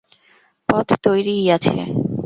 পথ তৈরিই আছে।